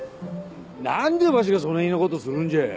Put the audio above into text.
何でわしがそねぇなことするんじゃ！